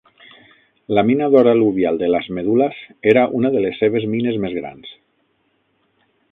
La mina d'or al·luvial de Las Medulas era una de les seves mines més grans.